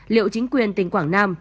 liệu chính quyền tỉnh quảng nam